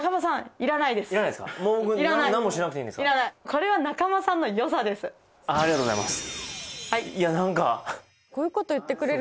この人ありがとうございます